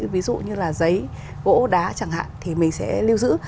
ví dụ như là giấy gỗ đá chẳng hạn thì mình sẽ lưu giữ